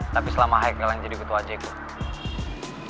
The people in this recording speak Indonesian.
tapi selama haikal yang jadi ketua aj gua